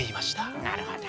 なるほど。